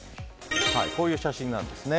こういう写真なんですね。